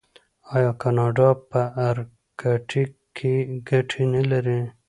آیا کاناډا په ارکټیک کې ګټې نلري؟